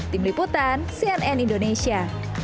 tim liputan cnn indonesia